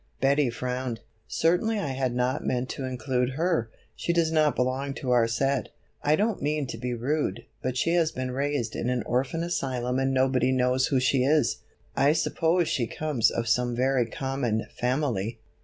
Betty frowned. "Certainly I had not meant to include her; she does not belong to our set. I don't mean to be rude, but she has been raised in an orphan asylum and nobody knows who she is. I suppose she comes of some very common family."